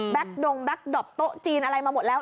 ดงแก๊กดอปโต๊ะจีนอะไรมาหมดแล้ว